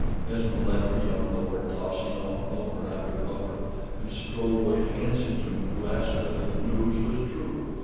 Esmond left the young lord tossing off bumper after bumper, and strolled away to Kensington to ask whether the news was true.